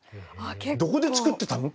どこで作ってたの？